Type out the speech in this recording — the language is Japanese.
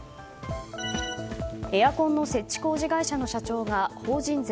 エアコンの設置工事会社の社長が法人税